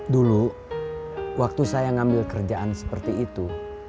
dulu waktu saya ngambil kerjaan seperti itu